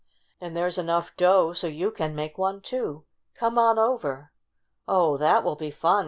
And there's enough dough so you can make one, too ! Come on over!" "Oh, that will be fun!"